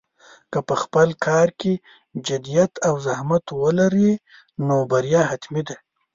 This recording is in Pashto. که په خپل کار کې جدیت او زحمت ولرې، نو بریا حتمي ده.